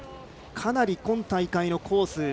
かなり今大会のコース